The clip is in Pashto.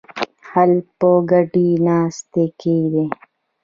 حل په ګډې ناستې کې دی.